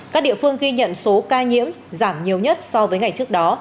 các địa phương ghi nhận số ca nhiễm giảm nhiều nhất so với ngày trước đó